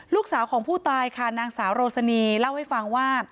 ลูกสาวของผู้ตายค่ะนางสาวโรสนีเล่าให้ฟังว่า